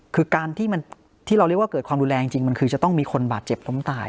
คือการที่เราเรียกว่าเกิดความรุนแรงจริงมันคือจะต้องมีคนบาดเจ็บล้มตาย